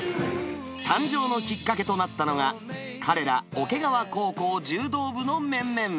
誕生のきっかけとなったのが、彼ら、桶川高校柔道部の面々。